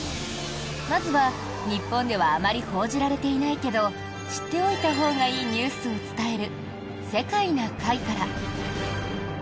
まずは、日本ではあまり報じられていないけど知っておいたほうがいいニュースを伝える「世界な会」から。